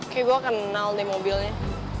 kayaknya gue kenal deh mobilnya